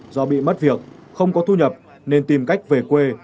do bị mất việc không có thu nhập nên tìm cách về quê